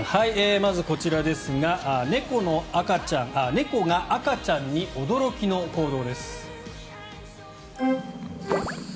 まずはこちらですが猫が赤ちゃんに驚きの行動です。